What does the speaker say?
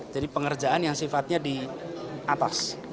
jadi pengerjaan yang sifatnya di atas